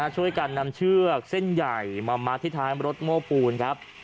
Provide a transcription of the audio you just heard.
ช่วยกันนำเชือกเส้นใหญ่มามัดที่ท้ายรถโม้ปูนครับ